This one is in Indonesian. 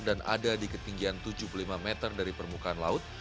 ada di ketinggian tujuh puluh lima meter dari permukaan laut